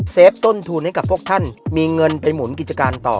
ต้นทุนให้กับพวกท่านมีเงินไปหมุนกิจการต่อ